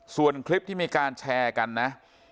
ส่วนคลิปที่มีการแชร์กันนะ